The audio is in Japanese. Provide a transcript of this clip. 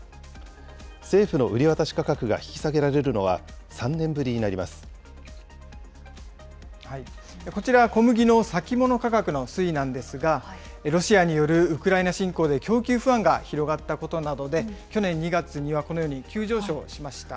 政府の売り渡し価格が引き下げらこちらは小麦の先物価格の推移なんですが、ロシアによるウクライナ侵攻で供給不安が広がったことなどで、去年２月には、このように急上昇しました。